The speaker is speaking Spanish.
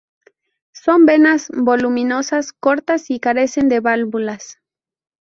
Son venas voluminosas, cortas y carecen de válvulas.